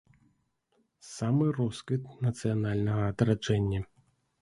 Самы росквіт нацыянальнага адраджэння.